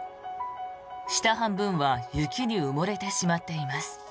下半分は雪に埋もれてしまっています。